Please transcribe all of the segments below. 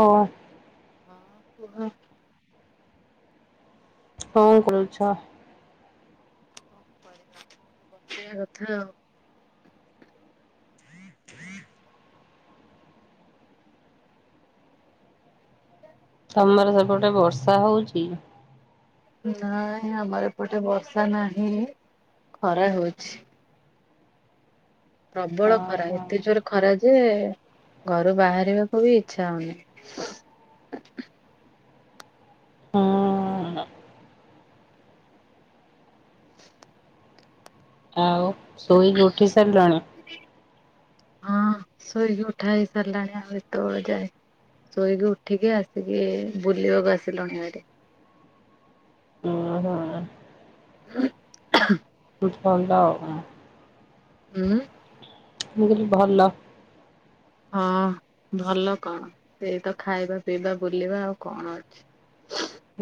ହୋ। ହଁ କୁହ। ହଁ କରୁଛ? କଣ କରିବା? ଏଠି ବସିକି କଥା ଆଉ। ତମର ସେପଟେ ବର୍ଷା ହଉଚି? ନାଇଁ ଆମର ଏପଟେ ବର୍ଷା ନାହିଁ। ଖରା ହଉଛି। ପ୍ରବଳ ଖରା। ଏ ଓହୋ ଏତେ ଜୋରରେ ଖରା ଯେ ଘରୁ ବାହାରିବାକୁ ବି ଇଚ୍ଛା ହଉନି। [inaudible] ହୁଁ ଆଉ ଶୋଇକି ଉଠି ସାରିଲଣି? ହଁ ଶୋଇକି ଉଠା ହେଇସାରିଲାଣି। ଆଉ ଏତ ବେଳ ଯାକେ ଶୋଇକି ଉଠିକି ଆସିକି ବୁଲିବାକୁ ଆସିଲୁଣିଭାରି। [inaudible] ହ [inaudible] [unintelligible] ହୁଁ। ମୁଁ କହିଲି ଭଲ। ହଁ, ଭଲ କଣ? ସେଇ ତ ଖାଇବା, ପିଇବା, ବୁଲିବା ଆଉ କଣ ଅଛି?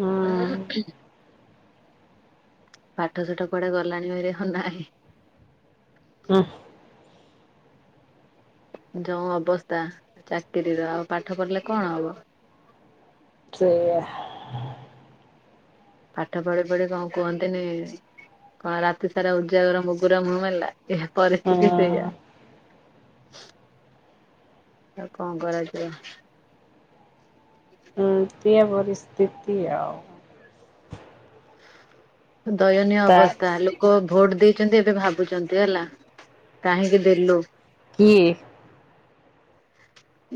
ହୁଁ ପାଠ ସାଠ କୁଆଡେ ଗଲାଣି ଭାରି ଆଉ ନାହିଁ। ହୁଁ। ଯୋଉ ଅବସ୍ଥା ଚାକିରିର ଆଉ ପାଠ ପଢ଼ିଲେ କଣ ହବ? ସେଇଆ। ପାଠ ପଢି-ପଢି କଣ କୁହନ୍ତିନି କଣ ରାତି ସାରା ଉଜାଗର ମୁଗୁରା ମୁହଁ ମେଲା। ଏ ପରିସ୍ଥିତି ସେଇଆ। ହୁଁ ଆଉ କଣ କରାଯିବ? [inaudible] ଏମିତିଆ ପରିସ୍ଥିତି ଆଉ। ଦୟନୀୟ ତା ଅବସ୍ଥା। ଲୋ ଲୋକ ଭୋଟ ଦେଇଛନ୍ତି, ଏବେ ଭାବୁଛନ୍ତି ହେଲା - କାହିଁକି ଦେଲୁ? କିଏ?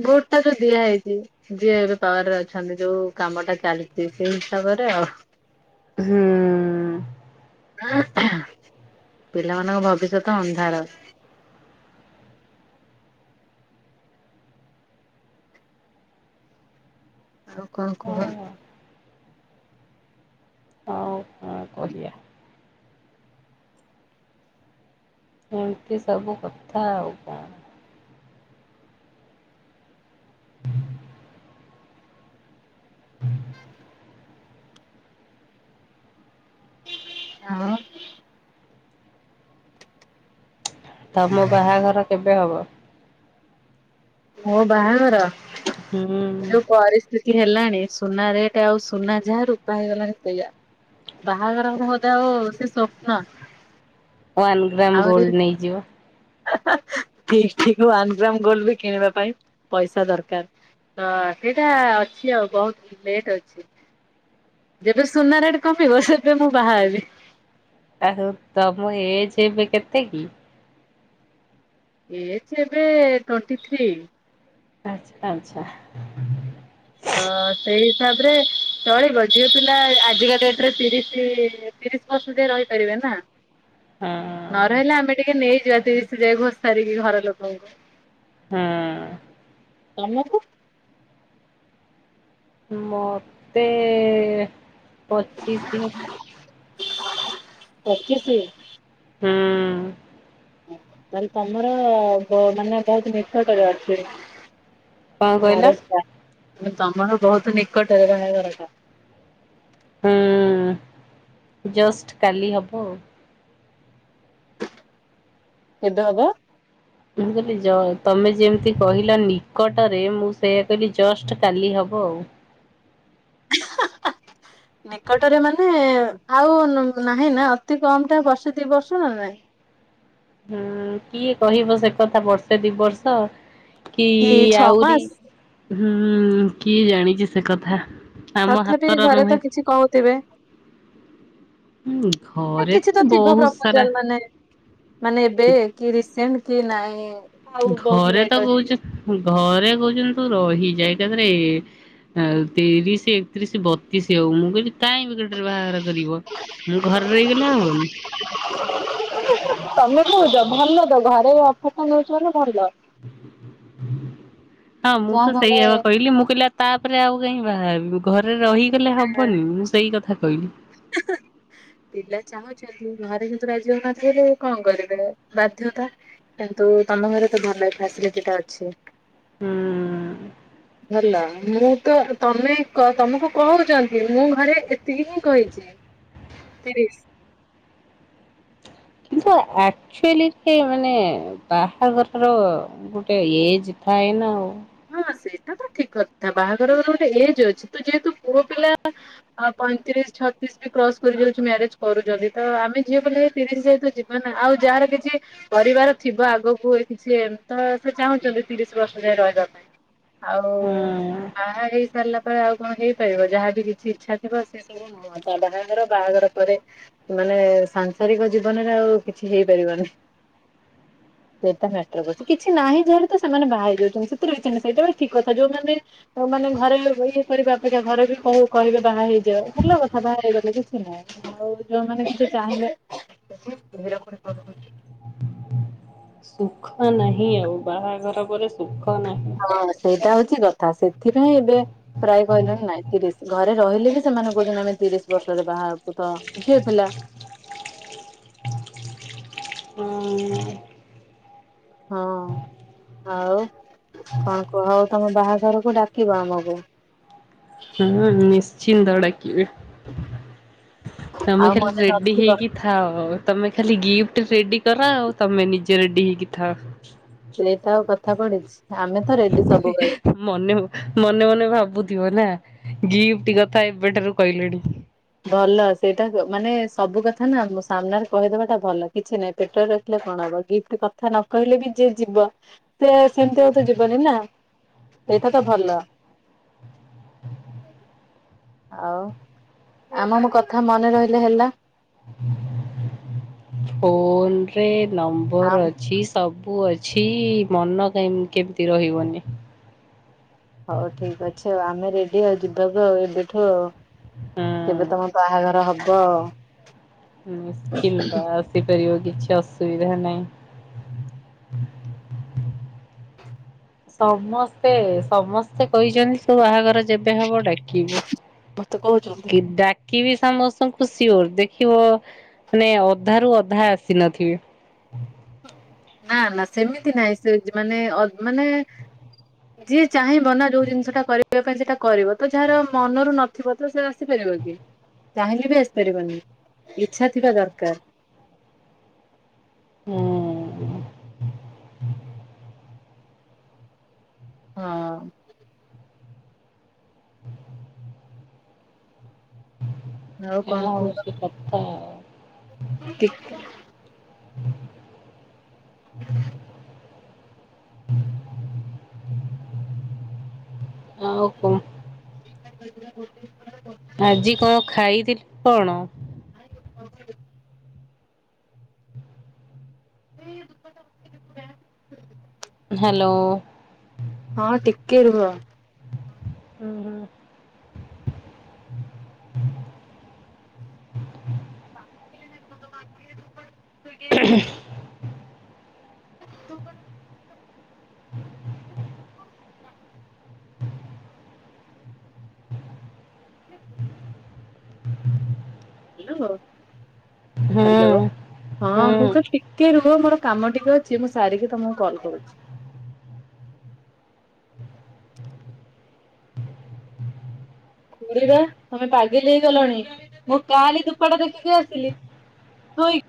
ଭୋଟ୍ ଟା ତ ଦିଆ ହେଇଛି। ଯିଏ ଏବେ ପାୱାରରେ ଅଛନ୍ତି, ଯୋଉ କାମ ଟା ଚାଲିଛି ସେଇ ହିସାବରେ ଆଉ। ହୁଁ। ପିଲାମାନଙ୍କ ଭବିଷ୍ୟତ ଅନ୍ଧାର। ଆଉ କଣ କୁହ? ହଁ ଆଉ କଣ କହିବା ଏମତି ସବୁ କଥା ଆଉ କଣ। ଆଉ। ତମ ବାହାଘର କେବେ ହବ? ମୋ ବାହାଘର। ଯୋଉ ହୁଁ ପରିସ୍ଥି ପରିସ୍ଥିତି ହେଲାଣି, ସୁନା ରେଟ୍ ଆଉ ସୁନା ଯାହା ରୂପା ହେଇଗଲାଣି ସେଇଆ। ବାହାଘର ବୋଧେ ଆଉ ସେ ସ୍ୱପ୍ନ। ୱାନ୍ ଗ୍ରାମ ଗୋଲ୍ଡ ନେଇଯିବ। [unintelligible] ୱାନ ଗ୍ରାମ ଗୋଲ୍ଡ ବି କିଣିବା ପାଇଁ ପଇସା ଦରକାର। ହଁ, ସେଇଟା ଅଛି ଆଉ ବହୁତ ଲେଟ୍ ଅଛି। ଯେବେ ସୁନା ରେଟ୍ କମିବ, ସେବେ ମୁଁ ବାହା ହେବି। [unintelligible] ତମ ଏଜ୍ ଏବେ କେତେ କି? ଏଜ୍ ଏବେ ଟ୍ୱେଣ୍ଟି ଥ୍ରୀ। ଆଚ୍ଛା ଆଚ୍ଛା। ଅ ସେଇ ହିସାବରେ ଚଳିବ ଝିଅ ପିଲା ଆଜିକା ଡେଟ୍ ରେ ତିରିଶ, ତିରିଶ ବର୍ଷ ଯାଏଁ ରହିପାରିବେ ନା। ନ ହଁ ରହିଲେ ଆମେ ଟିକେ ନେଇଯିବା ତିରିଶ ଯାଏଁ ଘୋସାରିକି ଘର ଲୋକଙ୍କୁ। ହୁଁ। ତମକୁ। ମୋତେ ପଚିଶି। ପଚିଶି। ହୁଁ ତାଲେ ତମର ମାନେ ବହୁତ ମିଛ ନିଟକରେ ଅଛି। କଣ କହିଲ ସାତେ ସା ତମର ବହୁତ ନିକଟରେ କ ଦରକାର। ହୁଁ। ଯଷ୍ଟ କାଲି ହବ ଆଉ। କେବେ ହବ? ମୁଁ କହିଲି ଯ ତମେ ଯେମିତି କହିଲ ନିକଟରେ ମୁଁ ସେଇୟା କହିଲି ଜଷ୍ଟ କାଲି ହବ ଆଉ। ନିକଟରେ ମାନେ ଆଉ ନୁ ନାହିଁ ନା ଅତି କମ ଟା ବର୍ଷେ ଦି ବର୍ଷ ନା ନାଇଁ? ହୁଁ କିଏ କହିବ ସେ କଥା ବର୍ଷେ ଦି ବର୍ଷ - - କି ଛଅ ଆଉରି ମାସ ହୁଁ କିଏ ଜାଣିଚି ସେ କଥା। ଆମ ତଥାପି ହାତର ଘରେ ନୁହେଁ। ତ କିଛି କହୁଥିବେ? ହୁଁ ଘରେ କିଛି ତ ଥିବ ବହୁତ ସାରା ପ୍ରପୋଜାଲ ମାନେ ମାନେ ଏବେ କି ରିସେଣ୍ଟ କି ନାଇଁ ଆଉ ବହୁତ ଘରେ ଲେଟ୍ ତ ଅଛି କହୁଛ ଘରେ କହୁଛଛନ୍ତି ତୁ ରହି ଯା ଏକାଥରେ ଏ ଆଉ ତିରିଶ ଏକତିରିଶ ବତିଶ ହଉ ମୁଁ କହିଲି କାଇଁ ବେକାର ଟାରେ ବାହାଘର କରିବ। ମୁଁ ଘରେ ରହିଗଲେ ହବନି। ତମେ କହୁଚ ଭଲ ତ ଘରେ ଅଫରଟା ମିଳୁଚି ମାନ ଭଲ। ହଁ, ମୁଁ ଯାହା ତ ଘରେ ସେଇ ହେବ କହିଲି ମୁଁ କହିଲି ଆ ତାପରେ ଆଉ କାହିଁ ବାହାହେବି। ଘରେ ରହିଗଲେ ହବନି ମୁଁ ସେଇ କଥା କହିଲି। ହାଁ ହାଁ ପିଲା ଚାହୁଁ ଘରେ କିନ୍ତୁ ରାଜି ହଉନଥିଲେ କଣ କରିବେ ବାଧ୍ୟତା। କିନ୍ତୁ ତମ ଘରେ ତ ଭଲ ଫସିଲିଟିଟା ଅଛି। ହୁଁ। ଭଲ, ମୁଁ ତ ତମେ କ ତମକୁ କହୁଚନ୍ତି ମୁଁ ଘରେ ଏତିକି ହିଁ କହିଚି ତିରିଶ। କିନ୍ତୁ ଅ କ୍ଚୁଆଲି ସେ ମାନେ ବାହାଘରର ଗୋଟେ ଏଜ ଥାଏ ନା ଆଉ। ହଁ ସେଇଟା ତ ଠିକ କଥା। ବାହାଘରର ଗୋଟେ ଏଜ ଅଛି। ତୁ ଯେହେତୁ ପୁଅ ପିଲା ହଁ ପଇଁତିରିଶ ଛତିଶ ବି କ୍ରସ୍ କରି ଯାଉଚି ମ୍ୟାରେଜ କରୁଚନ୍ତି। ତ ଆମେ ଝିଅ ପିଲା ତିରିଶ ଯାଇତ ଯିବ ମାନେ ଆଉ ଯାହାର କିଛି ପରିବାର ଥିବ ଆଗକୁ କିଛି ତ ସେ ଚାହୁଁଛନ୍ତି ତିରିଶ ବର୍ଷ ଯାଏ ରହିବାକୁ। ଆଉ ହଁ ବାହା ହେଇ ସାରିଲା ପରେ ଆଉ କଣ ହେଇପାରିବ। ଯାହାବି କିଛି ଇଚ୍ଛା ଥିବ ସେ ସବୁ ହ ହଁ ତା ବାହାଘର ବାହାଘର ପରେ ମାନେ ସାଂସାରିକ ଜୀବନରେ ଆଉ କିଛି ହେଇପାରିବନି। ସେଟ ମାଟର କରୁଚି କିଛି ନାହିଁ ଯାହର ତ ସେମାନେ ବାହା ହେଇ ଯାଉଚନ୍ତି। ରହିଚନ୍ତି ସେଇଟା ବି ଠିକ କଥା ଯୋଉମାନେ ଆଉ ମାନେ ଘରେ ଇଏ କରିବା ଅପେକ୍ଷା ଘରେ ବି କହୁ କହିବେ ବାହା ହେଇଯିବ ଭଲ କଥା ବାହା ହେଇଗଲେ କିଛି ନାହିଁ। ଆଉ ଯୋଉମାନେ କିଛି ଚାହିଁଲେ। ସୁଖ ନାହିଁ ଆଉ। ବାହାଘର ପରେ ସୁଖ ନାହିଁ। ହଁ, ସେଇଟା ହଉଛି କଥା। ସେଥିପାଇଁ ଏବେ ପ୍ରାୟ କହିଲେଣି ନାଇଁ ତିରିଶ। ଘରେ ରହିଲେ ବି ସେମାନେ କହୁଛନ୍ତି ଆମେ ତିରିଶ ବର୍ଷରେ ବାହା ହବୁ ତ ଝିଅ ପିଲା। ହୁଁ- - ହଁ, ଆଉ କଣ କୁହ? ହଉ ତମ ବାହାଘରକୁ ଡାକିବ ଆମକୁ। ହଁ ନିଶ୍ଚିନ୍ତ ଡାକିବି। ଆଉ ତମଖାଲି ମନେ ରରେଡି ନଥିବ ହେଇକି। ଥାଅ। ତମେ ଖାଲି ଗିଫ୍ଟ ରେଡି କର ଆଉ ତମେ ନିଜେ ରେଡି ହେଇକି ଥାଅ। ସେଇଟା ଆଉ କଥା ପଢିଛି ଆମେ ତ ରେଡି ସବୁବେଳେ। ମନେ ମନେ ମନେ ଭାବୁଥିବ ନା ଗିଫ୍ଟ କଥା ଏବେଠାରୁ କହିଲେଣି। ଭଲ ସେଇଟା ମାନେ ସବୁ କଥା ନା ସାମ୍ନାରେ କହିଦବାଟା ଭଲ। କିଛି ନହିଁ ପେଟରେ। ହେଲେ କଣ ହବ ଗିଫ୍ଟ କଥା ନ କହିଲେ ବି ଯିଏ ଯିବ ସେ ସେମିତି ଆଉ ତ ଯିବନି ନା। ସେଇଟା ତ ଭଲ। ଆଉ। ଆମ ମୋ କଥା ମନେ ରହିଲେ ହେଲା। ଫୋଲ୍ରେ ନମ୍ବର୍ ଆମ ଅଛି। ସବୁ ଅଛି ମନ କେଇମ୍ କେମ୍ତି ରହିବନି। ହ ଠିକ୍ ଅଛି ଆଉ ଆମେ ରେଡି ଆଉ ଯିବାକୁ ଆଉ ଏବେଠୁ ଆଉ। ହଁ କେବେ ତମ ବାହାଘର ହବ। ହୁଁ ଚିମ୍ବା ସିପାରିବ କିଛି ଅସୁବିଧା ନାଇଁ। ସମସ୍ତେ ସମସ୍ତେ କଇଛନ୍--‌ ତୁ ବାହାଘର ଯେବେ ହବ ଡାକିବୁ ମତେ କହୁଛନ୍ତି। କି ଡାକ୍। କି ବି ସମସ୍ତଙ୍କୁୁ ସିିଓର ଦେଖିବ ମାନେ ଅଧାରୁୁ ଅଧା ଆସିନଥିବେ। ନାଁ ନାଁ ସେମିତି ନାଇଁ ସେଯ୍ ମାନେ ଅଦ୍ ମାନେ। [inaudible] ଯିଏ ଚାହିଁବ ନାଁ ଯୋଉ ଜିନ୍ଷଟା କରିବା ପାଇଁ ସେଟା କରିବ ତ ଯାହାର ମନରୁ ନଥିବ ତ ସେ ଆସିପାରିବ କି। ଚାହିଁଲେ ବି ଆସିପାରିବନି ଇଚ୍ଛା ଥିବା ଦର୍କାର୍। ହୁଁ। ଅଁ। ଆଉ କଣ ଏହା କୁହ ହଉଛି କତା। ଟି [inaudible] ଆଉ କଁଅ। [unintelligible] ଆଜି କଁ ଖାଇଥି କଣ। [unintelligible] ହେଲୋ। ହଁ ଟିକ୍କେ ରୁହ। ଉଁ ହୁଁ। [unintelligible] [inaudible] [unintelligible] [inaudible] [inaudible] [inaudible] ହେଲୋ ହାଲୋ ହୁଁ ହଁ ମୁଁ ହୁଁ। କଇଲି ଟିକ୍। ଟିକେ ରୁହ ମୋର କାମ ଟିକେ ଅଛି ମୁଁ ସାରିକି ତମକୁ କଲ୍ କରୁଛି। ପୁରିବା ତମେ ପାଗେଲି ହେଇ ଗଲଣି ମୁଁ କାଲି ଦୁପାଟା ଦେକିକି ଆସିଲି। ତୁଈ।